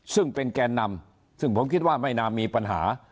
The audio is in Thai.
ซึ่งเป็นแกนนำซึ่งผมคิดว่าไม่น่ามีปัญหา